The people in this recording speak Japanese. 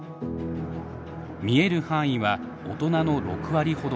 見える範囲は大人の６割ほど。